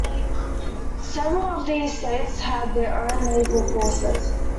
Several of these states had their own naval forces.